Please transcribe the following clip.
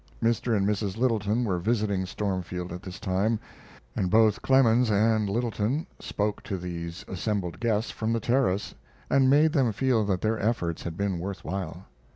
Mr. and Mrs. Littleton were visiting Stormfield at this time, and both Clemens and Littleton spoke to these assembled guests from the terrace, and made them feel that their efforts had been worth while.